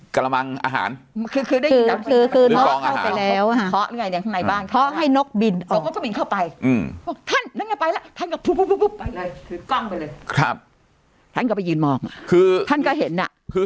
กระมังอาหารจะได้แต่ได้อย่างที่นั้นบ้างคือคือนกเขาไป